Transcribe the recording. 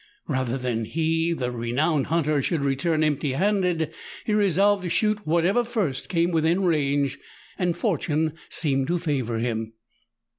8 1 Rather than that he, the renowned hunter, should return empty handed, he resolved to shoot whatever first came within range, and fortune seemed to favour him.